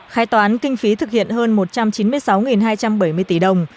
khai toán kinh phí thực hiện hơn một trăm chín mươi sáu hai trăm bảy mươi tỷ đồng